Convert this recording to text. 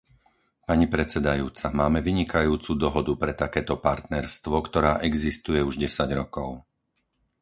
Pani predsedajúca, máme vynikajúcu dohodu pre takéto partnerstvo, ktorá existuje už desať rokov.